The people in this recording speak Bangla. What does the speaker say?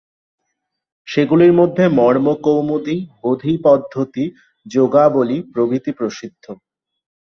সেগুলির মধ্যে মর্মকৌমুদী, বোধিপদ্ধতি, যোগাবলী প্রভৃতি প্রসিদ্ধ।